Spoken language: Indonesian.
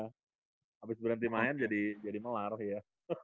habis berhenti main jadi melarah ya